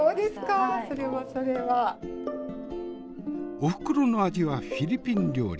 おふくろの味はフィリピン料理。